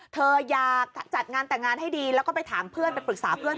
เธออยากจัดงานแต่งงานให้ดีแล้วก็ไปถามเพื่อนไปปรึกษาเพื่อน